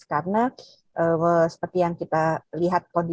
karena seperti yang kita lihat